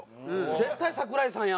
絶対桜井さんや！